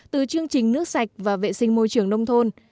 từ chương trình nước sạch và vệ sinh môi trường nông thôn